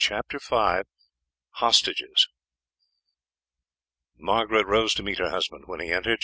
CHAPTER V HOSTAGES Margaret rose to meet her husband when he entered.